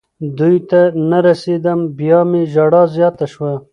دوی ته نه رسېدم. بیا مې ژړا زیاته شوه.